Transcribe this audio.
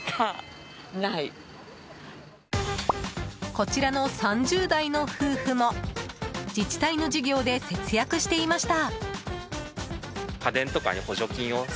こちらの３０代の夫婦も自治体の事業で節約していました。